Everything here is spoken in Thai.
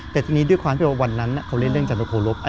แต่ทีนี้ด้วยความที่ว่าวันนั้นเขาเล่นเรื่องจันทโครบ